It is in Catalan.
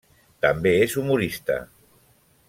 També és humorista.